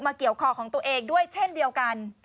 เกี่ยวคอของตัวเองด้วยเช่นเดียวกัน